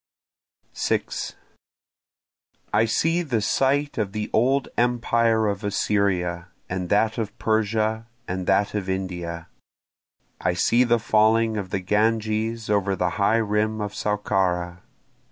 6 I see the site of the old empire of Assyria, and that of Persia, and that of India, I see the falling of the Ganges over the high rim of Saukara.